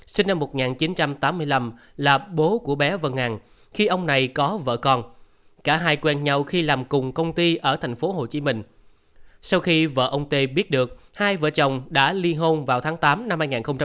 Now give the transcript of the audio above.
sau khi vợ ông tê biết được hai vợ chồng đã li hôn vào tháng tám năm hai nghìn hai mươi